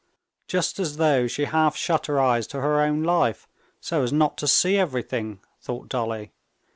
"Just as though she half shut her eyes to her own life, so as not to see everything," thought Dolly.